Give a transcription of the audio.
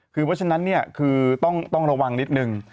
คือเพราะฉะนั้นคือต้องระวังนิดนึง